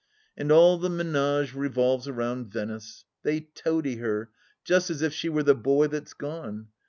And all the minage revolves round Venice ; they toady her just as if she were the boy that's gone.